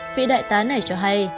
vị đại tá này cho hay